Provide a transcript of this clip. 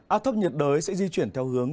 áp thấp nhiệt đới sẽ di chuyển theo hướng